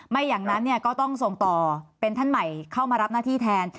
ไม่อย่างนั้นก็ต้องส่งต่อเป็นท่านใหม่เข้ามารับหน้าที่แทน